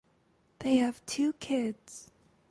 They have two kids.